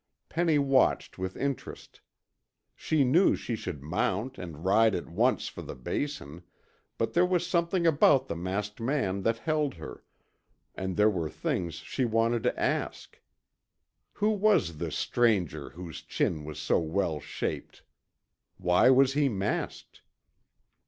Penny watched with interest. She knew she should mount and ride at once for the Basin, but there was something about the masked man that held her, and there were things she wanted to ask. Who was this stranger whose chin was so well shaped? Why was he masked?